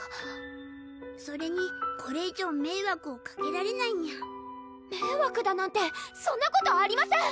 それにこれ以上迷惑をかけられないニャ迷惑だなんてそんなことありません！